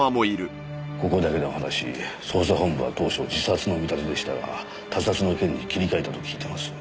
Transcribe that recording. ここだけの話捜査本部は当初自殺の見立てでしたが他殺の線に切り替えたと聞いてます。